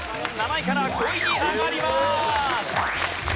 ７位から５位に上がります。